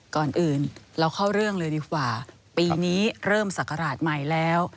ก่อนอื่นเราเข้าเรื่องเลยดีกว่าปีนี้เริ่มศักราชใหม่แล้ว